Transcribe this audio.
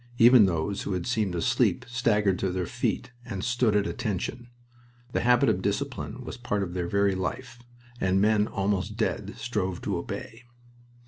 Even those who had seemed asleep staggered to their feet and stood at attention. The habit of discipline was part of their very life, and men almost dead strove to obey.